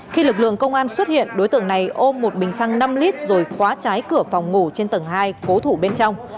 khi lực lượng công an xuất hiện đối tượng này ôm một bình xăng năm lit rồi khóa trái cửa phòng ngủ trên tầng hai